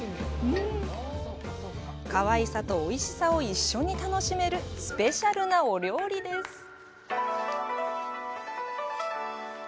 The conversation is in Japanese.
かわいさとおいしさを一緒に楽しめるスペシャルなお料理です。